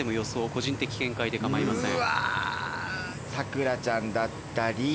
個人的見解で構いません。